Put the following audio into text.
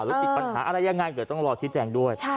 หรือติดปัญหาอะไรอย่างง่ายแต่ต้องรอชี้แจ้งด้วย